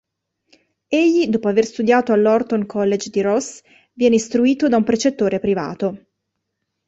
Egli dopo aver studiato all'Horton College di Ross, viene istruito da un precettore privato.